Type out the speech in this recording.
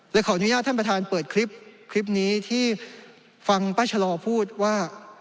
ขออนุญาตท่านประธานเปิดคลิปคลิปนี้ที่ฟังป้าชะลอพูดว่า